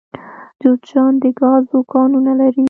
جوزجان د ګازو کانونه لري